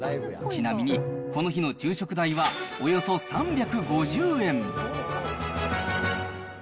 ちなみに、この日の昼食代はおよそ３５０円。